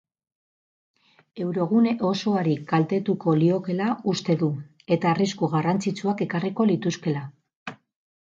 Eurogune osoari kaltetuko liokeela uste du eta arrisku garrantzitsuak ekarriko lituzkeela.